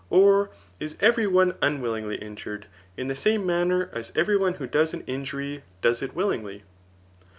, Or is every one unwillingly injured, in the same manner as every one who does an injury does it willingly?